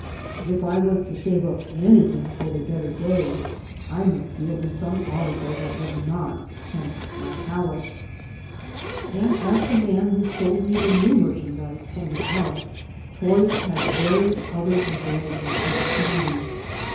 If I was to save up anything toward a better day, I must deal in some article that would not tempt my palate. And, as the man who sold me the new merchandise pointed out, toys had various other advantages over candies.